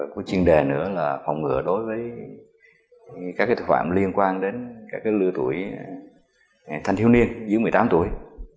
chuyên đề nữa là phòng ngừa đối với các tội phạm liên quan đến các lưu tuổi thanh thiếu niên dưới một mươi tám tuổi